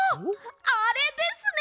あれですね！